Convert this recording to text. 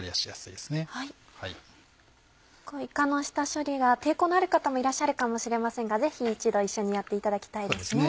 いかの下処理が抵抗のある方もいらっしゃるかもしれませんがぜひ一度一緒にやっていただきたいですね。